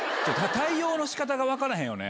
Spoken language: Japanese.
対応のしかたが分からへんよね。